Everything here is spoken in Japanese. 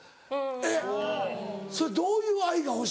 えっそれどういう愛が欲しい？